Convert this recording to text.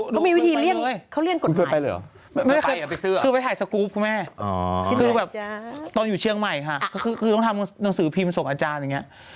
เขามีวิธีเลี่ยงกฎหลาย